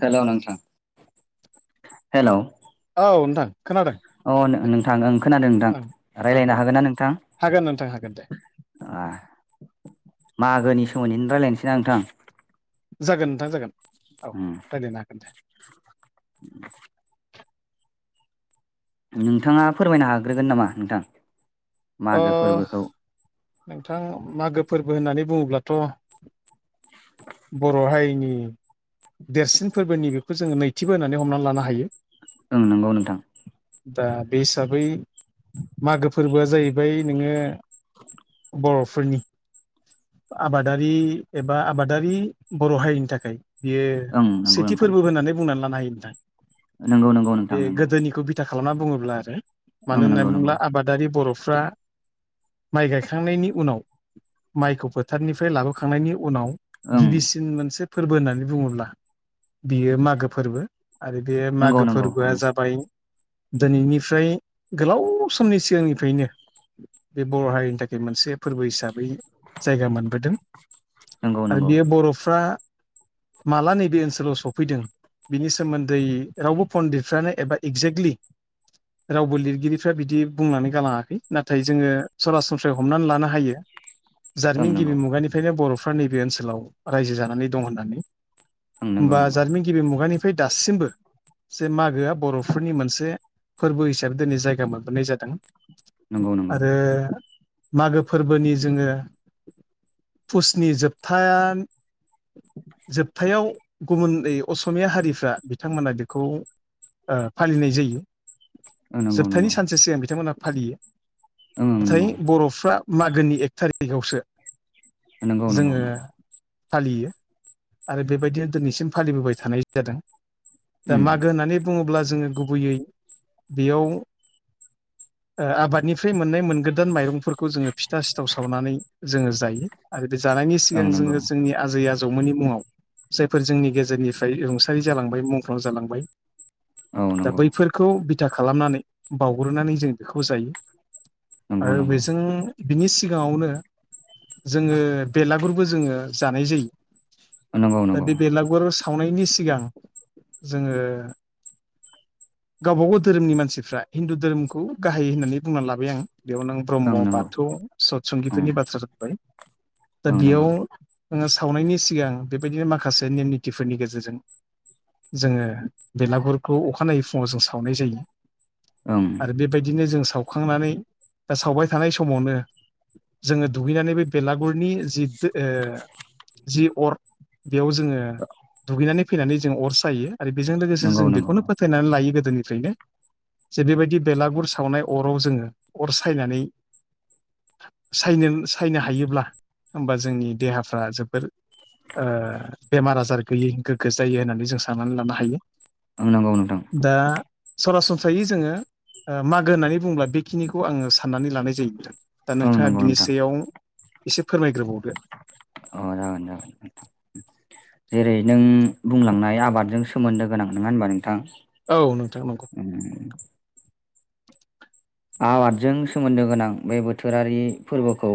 हेल' नोंथां हेल' औ नोंथां खोनादों। अ दे नोंथां खोनादों नोंथां ओं ओं रायज्लायनो ओं हागोन ना नोंथां? हागोन नोंथां हागोन दे मागोनि सोमोन्दैनो रायज्लायनोसै ना नोंथां जागोन नोंथां जागोन औ उम रायज्लायनो हागोन दे नोंथाङा फोरमायनो हाग्रोगोन नामा नोंथां ओ मागो फोरबोखौ नोंथां मागो फोरबो होननानै बुङोब्लाथ' बर' हारिनि देरसिन फोरबोनि बेखौ जोङो नैथिबो होनानै हमनानै लानो हायो। ओं नंगौ नोंथां। दा बे हिसाबै मागो फोरबोआ जाहैबाय नोङो बर'फोरनि आबादारि एबा आबादारि बर' हारिनि थाखाय बियो ओं नंगौ सेथि नोंथां फोरबो होननानै बुंनानै लानो हायो नोंथां नंगौ नंगौ बे नोंथां नंगौ। गोदोनिखौ बिथा खालामना बुङोब्ला आरो मानो ओं नंगौ होननानै बुङोब्ला नंगौ आबादारि बर'। फ्रा माइ गायखांनायनि उनाव माइखौ फोथारनिफ्राय लाबोखांनायनि उनाव उनाव ओं गिबिसिन मोनसे फोरबो होननानै बुङोब्ला बियो मागो फोरबो। आरो बे मागो नंगौ नंगौ फोरबोआ जाबाय दिनैनिफ्राय गोलाव समनि सिगांनिफ्रायनो बे बर' हारिनि थाखाय मोनसे। फोरबो हिसाबै जायगा मोनबोदों ओं नंगौ आरो नंगौ बियो बर'फ्रा माला नैबे ओनसोलाव सफैदों बिनि सोमोन्दै रावबो पन्डितफ्रानो एबा एक्जेक्टलि। रावबो लिरगिरिफ्रा बिदि बुंनानै गालाङाखै नाथाय जोङो सरासनस्रायै हमनानै लानो हायो। ओं जारिमिन नंगौ गिबि मुगानिफ्रायनो बर'फ्रा नैबे ओनसोलाव रायजो जानानै दं होननानै। ओं नंगौ बा नंगौ जारिमिन गिबि मुगानिफ्राय दासिमबो जे मागोआ बर'फोरनि मोनसे फोरबो हिसाबै। दिनै जायगा मोनबोनाय जादों नंगौ आरो। मागो फोरबोनि जोङो फुसनि जोबथाया। [inaudible] जोबथायाव गुबुन असमिया हारिफ्रा बिथांमोना बेखौ फालिनाय जायो ओं नंगौ नंगौ जोबथायनि सानसे सिगां बिथांमोना फालियो ओं ओं नाथाय नंगौ नंगौ बर'फ्रा। मागोनि एक थारिग आवसो नंगौ नंगौ नंगौ फालियो आरो बेबायदिनो दिनैसिम फालिबोबाय थानाय जादों। नंगौ दा उम मागो होननानै बुङोब्ला जोङो गुबैयै बेयाव। [inaudible] ओ आबादनिफ्राय मोननाय मोनगोदान माइरंफोरखौ जोङो फिथा सिथाव सावनानै जोङो जायो आरो बे जानायनि ओं सिगां नंगौ जोङो जोंनि आजै आजौ मोननि मुङाव जायफोर जोंनि गेजेरनिफ्राय रुंसारि जालांबाय मुंख्लं जालांबाय औ दा नंगौ बैफोरखौ बिथा खालामनानै बावउग्रोनानै जों बेखौ जायो। नंगौ आरो नंगौ बेजों बिनि सिगाङावनो जोङो बेलागुरबो जोङो जानाय जायो। नंगौ दा नंगौ बे बेलागुर सावनायनि सिगां जोङो गावबागाव धोरोमनि मानसिफ्रा हिन्दु धोरोमखौ गाहाय होननानै बुंना लाबाय आं। बेयावनो नों ब्रह्म ओं नंगौ बाथौ ओं सतसंगिफोरनि बाथ्रा जाबबाय दा ओं बेयाव नंगौ जोङो सावनायनि सिगां बेबायदिनो माखासे नेम निथिफोरनि गेजेरजों जोङो बेलागुरखौ अखानायै फुङाव जों सावनाय जायो। ओं आरो बेबायदिनो जों सा सावखांनानै बा सावबाय थानाय समावनो जोङो दुगैनानै बे बेलागुरनि जि ओ जि अर बेयाव जोङो दुगैनानै। फैनानै जों अर सायो आरो बेजों लोगोसे जों नंगौ नंगौ बेखौनो फोथायनानै लायो गो गोदोनिफ्रायनो जे बेबायदि बेलागुर सावनाय अराव जोङो अर सायनानै। सायनो सायनो हायोब्ला होमबा जोंनि देहाफ्रा जोबोर ओ बेमार आजार गैयै गोग्गो जायो होननानै जों साननानै लानो हायो। ओं नोंगौ नोंथां। दा [unintelligible] जोङो मागो होननानै बुंब्ला बेखिनिखौ आङो साननानै लानाय जायो आरो। दा ओं नोंथाङा नंगौ बिनि सायाव एसे फोरमाय औ जागोन नोंथां। जेरै नों बुंलांनाय आबादजों सोमोन्दो गोनां नोङा होनबा नों थां औ नोंथां नंगौ आबादजों सोमोन्दो गोनां बे बोथोरारि फोरबोखौ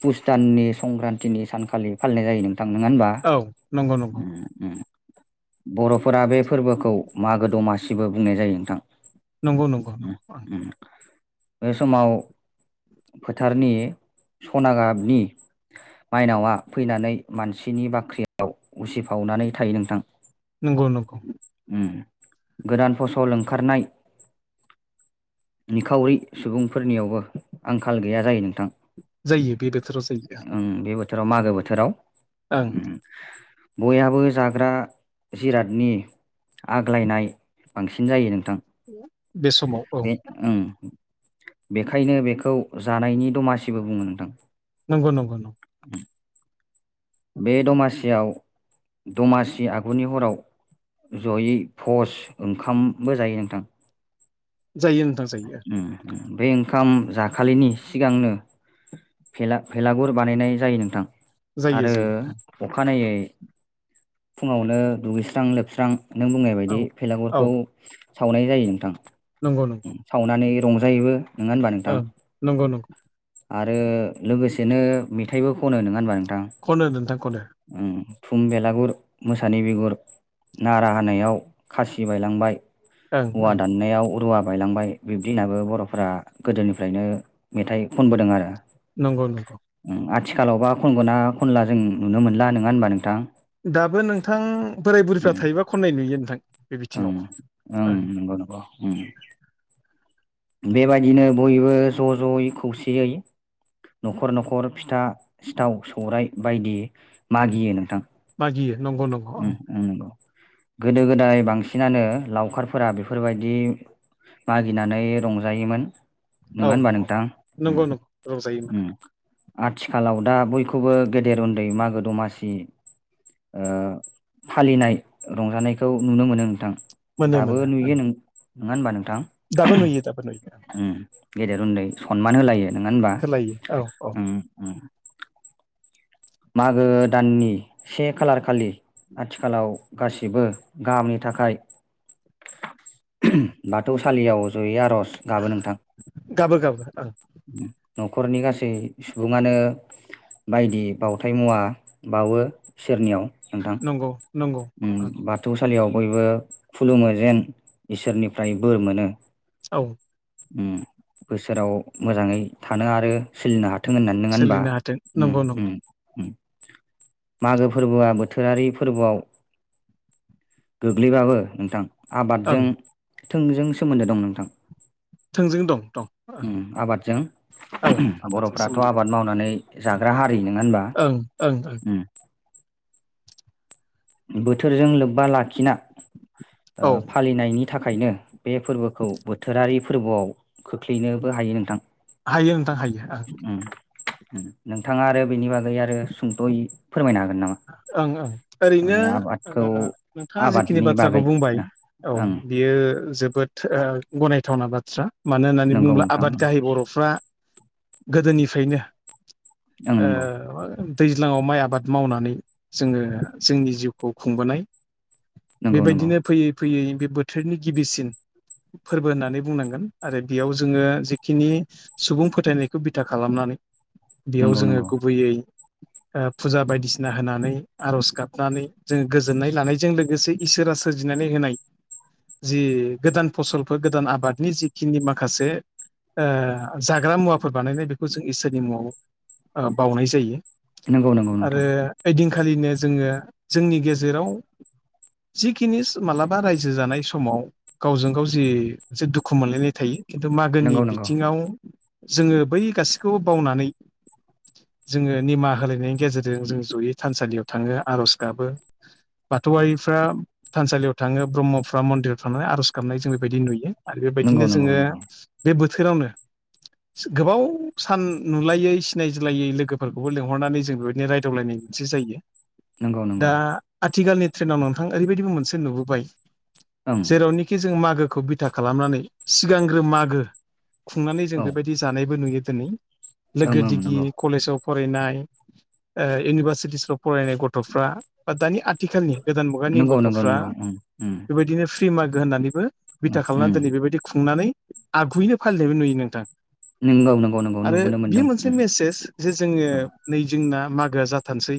पुस दाननि संक्रान्तिनि सानखालि फालिनाय जायो नों थां नोङा होनबा? औ नंगौ नंगौ उम उम। बर'फोरा बे फोरबोखौ मागो दमासिबो बुंनाय जायो नोंथां। नंगौ नंगौ उम ओं उम बे समाव फोथारनि सना गाबनि माइनावआ फैनानै मानसिनि बाख्रियाव उसिफावनानै थायो नोंथां। नंगौ नंगौ उम। गोदान फसल ओं खारनाय निखावरि सुबुंफोरनियावबो आंखाल गैया जायो नो जायो बे बोथोराव जायो थां ओं बे बोथोराव मागो बोथोराव ओं उम बयहाबो जाग्रा जिरादनि आग्लायनाय बांसिन जायो नोंथां। बे समाव औ बे ओं बेखायनो बेखौ जानायनि दमासिबो बुङो नोंथां। नंगौ नंगौ नंगौ। [inaudible] बे दमासियाव दमासि आगुनि हराव जयै प'स ओंखामबो जायो नोंथां। जायो नोंथां जायो। बे ओंखाम जाखालिनि सिगांनो फेला भेलागुर बानायनाय जायो नोंथां। जायो आरो जायो अखानायै। फुङावनो दुगैस्रां लोबस्रां नों बुंनाय औ बायदि औ भेलागुरखौ सावनाय जायो नोंथां नंगौ सावनानै रंजायोबो नङा होनबा नोंथां औ नंगौ नंगौ। आरो लोगोसेनो मेथाइबो खनो नङा होनबा? नोंथां खनो नोंथां खनो। उम थुम बेलागुर मोसानि बेगुर नारा हानायाव खासि बायलांबाय। ओं औवा ओं दाननायाव रुवा बायलांबाय बिब्दिनाबो बरफोरा गोदोनिफ्रायनो मेथाइ खनबोदों आरो। नंगौ नंगौ। उम आथिखालावबा खनगना खनला जों नुनो मोनला नङा होनबा नोंथां। दाबो नोंथां बोराय बुरिफ्रा उम थायोबा खननाय नुयो नोंथां। बे बिथिङाव ओं नंगौ नंगौ। बेबायदिनो बयबो ज जयै खौसेयै। नखर नखर फिथा सिथाव सौरायाइ बायदि मागियो नोंथां। मागियो नंगौ नंगौ उम आं उम नंगौ गोदो गोदाय बांसिनानो लावखारफोरा बेफोरबायदि मागिनानै रंजायोमोन औ नोङा होनबा औ नोंथां नंगौ नंगौ रंजायो आथिखालाव दा बयखौबो गेदेर उन्दै मागो दमासि फालिनाय रंजानायखौ नुनो मोनो नोंथां। मोना दाबो नुयो नों नङा होनबा नोंथां। दाबोनुयो दाबो नुयो। उम गेदेर उन्दै सनमान होलायो नोङा होनबा होलायो औ औ मागो दाननि से खालार खालि आथिखालाव गासिबो गाहामनि थाखाय बाथौसालियाव जयो आरो गाबोन नोंथां। गाबो गाबो ओं नखरनि गासै सुबुङानो बायदि बावथाय मुवा बावो इसोरनियाव नोंथां नंगौ नंगौ ओं बाथौसालियाव बयबो खुलुमो जेन इसोरनिफ्राय बोर मोनो। औ बोसोराव मोजाङै थानो आरो सोलिनो हाथों। थों होननानै नङा होनबा। सोलिनो हाथों नंगौ नंगौ मागो फोरबोआ बोथोरारि फोरबोआव गोग्लैबाबो नोंथां। ओं आबादजों थोंजों सोमोन्दो दं नोंथां। थोंजों दं दं ओं आबादजों औ आबादजों बरफ्राथ सोमोन्दो आबाद मावनानै। जाग्रा हारि नङा होनबा। गोनां ओं ओं ओं बोथोरजों लोबबा लाखिना औ फालिनायनि। नि थाखायनो बे फोरबोखौ बोथोरारि फोरबोआव खोख्लैनोबो हायो नोंथां। हायो नोंथां हायो। ओं नोंथाङा आरो बेनि बागै आरो सुंदयै फोरमायनो हागोन नामा? ओं ओं ओरैनो थारमाने आबादखौ नोंथाङा जिखिनि आबादनि बाथ्राखौ बागै बुंबाय औ ओं बियो। जोबोद गनायथावना बाथ्रा मानो होननानै नंगौ बुङोब्ला नोंथां आबाद ओं गाहाय बर'फ्रा। गोदोनिफ्रायनो नंगौ दैज्लाङाव माइ आबाद मावनानै। जोङो जोंनि जिउखौ खुंबोनाय नंगौ नंगौ बेबायदिनो फैयै फैयै। बोथोरनि गिबिसिन फोरबो होननानै बुंनांगोन आरो बेयाव जोङो जिेखिनि सुबुं फोथायनायखौ बिथा खालामनानै बेयाव नंगौ नंगौ जोङो गुबैयै फुजा बायदिसिना ना होनानै आर'ज गाबनानै जोङो गोजोननाय लानायजों लोगोसे इसोरा सोरजिनानै होनाय जि गोदान फसलफोर गोदान आबादनि जिखिनि माखासे जाग्रा मुवाफोर बानायनाय बेखौ जों इसोरनि मुङाव बावनाय जायो। नंगौ नंगौ आरो नोंथां। ओइदिनखालिनो जोङो जोंनि गेजेराव। जिखिनिस मालाबा रायजो जानाय समाव गावजों गाव जि मोनसे दुखु मोनलायनाय थायो। खिन्थु मागोनि नंगौ नंगौ बिथिङाव जोङो बै गासैखौबो बावनानै जोङो निमाहा होलायनायनि गेजेरजों जों जयै। थानसालियाव थाङो आर'ज गाबो। बाथौआरिफ्रा थानसालियाव थाङो ब्रह्मफ्रा मन्दिराव थांनानै आर'ज गाबनाय जों बेबायदि नुयो। आरो नंगौ बेबायदिनो नंगौ जोङो नंगौ बे बोथोरावनो। गोबाव सान नुलायै सिनायज्लायै लोगोफोरखौबो लिंहरनानै जों बेबायदिनो रायदावलायनाय। मोनसे जायो नंगौ नंगौ दा आथिखालनि ट्रेनाव नोंथां ओरैबायदिबो मोनसे नुबोबाय ओं जेरावनोखि जों मागोखौ बिथा खालामनानै सिगांग्रो मागो। खुंनानै जों औ ओं बेबायदि जानायबो नुयो दिनै ओं लोगो दिगि कलेजाव फरायनाय इउनिभारसिटिसफ्राव फरायनाय गथ'फ्रा बा दानि आथिखालनि। गोदान मुगानि नंगौ नंगौ नंगौ गथ'फ्रा ओं ओम बेबायदिनो फ्रि माग होननानैबो बिथा खालामनानै ओम ओम दिनै बेबायदि खुंनानै आगुयैनो फालिनायबो नुयो नोंथां। नंगौ नंगौ नंगौ आरो नुबोनो बे मोनदों मोनसे मेसेज जे जोङो ओम नै जोंना माग मागोया जाथारनोसै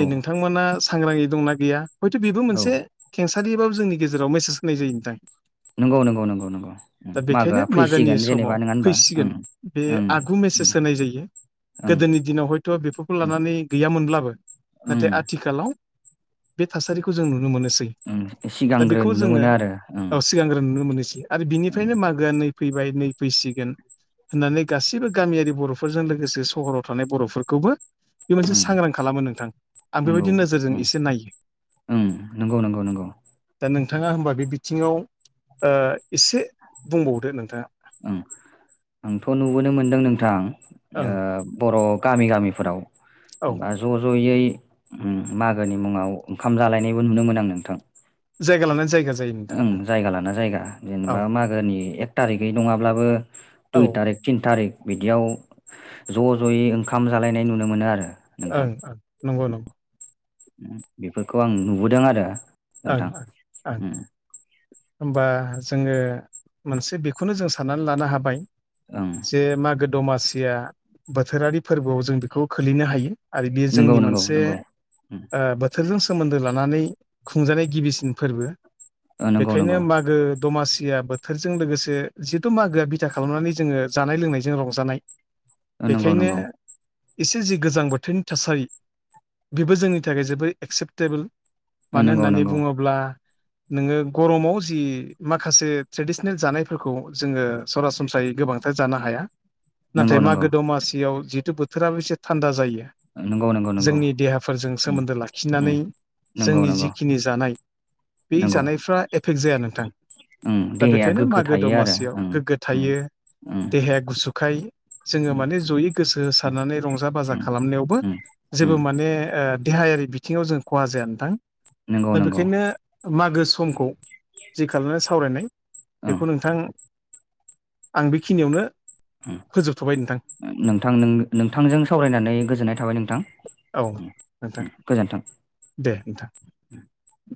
नै नोंथांमोना सांग्रांयै दंना गैया हयथ' बेबो औ मोनसे। सारिबाबो जोंनि गेजेराव मेसेज होनाय जायो नोंथां। नंगौ नंगौ नंगौ नंगौ दा बेखायनो मागोआ मागोनि फैसिगोन जेनेबा नङा होनबा ओं ओं। मेसेस होनाय जायो ओम ओं गोदोनि दिनाव हयथ' बेफोरखौ लानानै गै गैयामोनब्लाबो ओं नाथाय आथिखालाव बे थासारिखौ जों नुनो मोनो। सै ओं दा सिगांग्रो बेखौ नुनो जोङो मोनो आरो ओं सिगांग्रो नुनो मोननोसै आरो ओं बिनिफ्रायनो मागोआ नै। फैबाय नै फैसिगोन। होननानै गासैबो गामियारि बर'फोरजों लोगोसे सहराव थानाय बर'फोरखौबो। बे मोनसे ओम सांग्रां खालामो नोंथां आं नंगौ बेबायदि नोजोरजों ओं एसे नायो। ओं नंगौ नंगौ नंगौ दा नोंथाङा होनबा बे बिथिङाव ओ एसे बुंबावदो नोंथाङा ओं आंथ' नुबोनो मोनदों नोंथां ओ ओं बर' गामि गामिफोराव औ जेनेबा ज' ज'यै उम मागोनि मुङाव ओंखाम जालायनायबो नुयोमोन आं नोंथां जायगा लानानै जायगा जायो नोंथां ओं जायगा लाना जायगा जेनेबा ओं मागोनि एक थारिखै नङाब्लाबो औ दुइ थारिख थिन थारिख बिदियाव ज' ज'यै ओंखाम जालायनाय नुनो मोनो आरो नोंथां ओं ओं नंगौ नंगौ बेफोरखौ आं नुबोदों आरो ओं नोंथां ओं ओं उम होमबा जोङो मोनसे बेखौनो जों साननानै लानो हाबाय ओं जे मागो दमासिया बोथोरारि फोरबोआव जों बेखौ खोलैनो हायो। आरो बेयो नंगौ जोंनि नंगौ मोनसे नंगौ उम बोथोरजों सोमोन्दो लानानै खुंजानाय गिबिसिन फोरबो ओ नंगौ बेखायनो नंगौ मागो दमासि या बोथोरजों लोगोसे जिहेथु मागोआ बिथा खालामनानै जोङो जानाय लोंनायजों रंजानाय नंगौ बेखायनो नंगौ एसे जि गोजां बोथोरनि थासारि बेबो जोंनि थाखाय जोबोर एक्सेप्टेबोल ओ मानो नंगौ होननानै नंगौ बुङोब्ला नोङो गरमाव जि माखासे ट्रेडिसनेल जानायफोरखौ जोङो सरासनस्रायै गोबांथार जानो हाया नंगौ नाथाय मागो दमासियाव जिहेतु बोथोराबो एसे थान्दा जायो। नंगौ नंगौ नंगौ जोंनि देहाफोरजों उम सोमोन्दो उम लाखिनानै नंगौ जोंनि नंगौ जिखिनि जानाय बे नंगौ जानायफ्रा एफेक्ट जाया नोंथां उम दा देहाया बेखायनो गोग्गो मागो थायो आरो दमासियाव उम गोग्गो उम थायो। उम देहाया गुसुखाय जोङो उम माने जयै गोसो होसारनानै रंजा बाजा उम खालामनायावबो उम जेबो उम माने ओ देहायारि बिथिङाव जों खहा जाया नोंथां नंगौ दा नंगौ बेखायनो मागो समखौ जि खालामनाय सावरायनाय ओं बेखौ नोंथां आं बेखिनियावनो ओं फोजोबथ'बाय नोंथां नोंथां नोंथांजों सावरायनानै गोजोननाय थाबाय औ नोंथां नोंथां गोजोन्थों [inaudible]